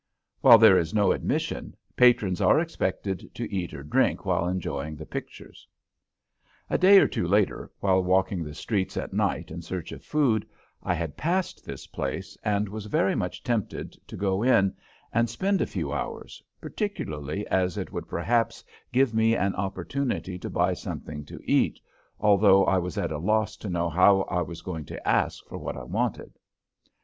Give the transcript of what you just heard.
While there is no admission, patrons are expected to eat or drink while enjoying the pictures." A day or two later, while walking the streets at night in search of food, I had passed this place, and was very much tempted to go in and spend a few hours, particularly as it would perhaps give me an opportunity to buy something to eat, although I was at a loss to know how I was going to ask for what I wanted.